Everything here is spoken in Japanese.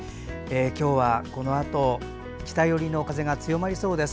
今日はこのあと北寄りの風が強まりそうです。